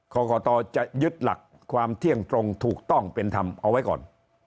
กรกตจะยึดหลักความเที่ยงตรงถูกต้องเป็นธรรมเอาไว้ก่อน